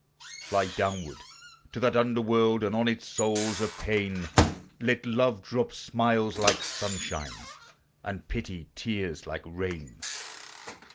"Fly downward to that under world, and on its souls of pain, Let Love drop smiles like sunshine, and Pity tears like rain!"